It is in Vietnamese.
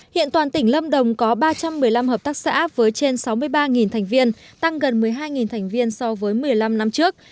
hiện toàn tỉnh lâm đồng có ba trăm một mươi năm hợp tác xã với trên sáu mươi ba thành viên tăng gần một mươi hai thành viên so với một mươi năm năm trước